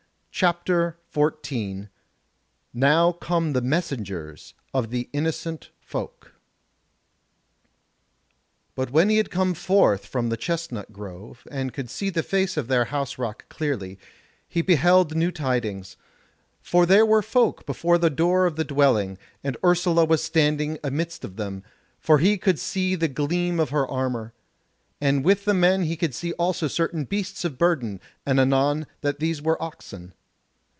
CHAPTER 14 Now Come the Messengers of the Innocent Folk But when he had come forth from the chestnut grove, and could see the face of their house rock clearly, he beheld new tidings; for there were folk before the door of the dwelling, and Ursula was standing amidst of them, for he could see the gleam of her armour; and with the men he could see also certain beasts of burden, and anon that these were oxen.